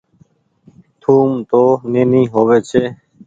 ٿوم تو نيني هووي ڇي۔